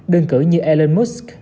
đơn cử như elon musk